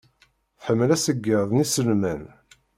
Tḥemmel aṣeyyed n iselman.